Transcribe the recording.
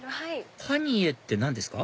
パニエって何ですか？